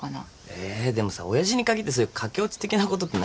えでもさ親父にかぎってそういう駆け落ち的なことってなくない？